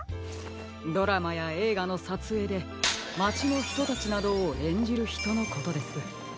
ドラマやえいがのさつえいでまちのひとたちなどをえんじるひとのことです。